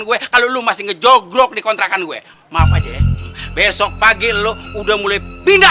gue kalau lo masih ngejogrok di kontrakan gue maaf aja besok pagi lo udah mulai pindah